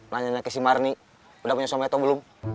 nanya nanya ke si marni udah punya suami atau belum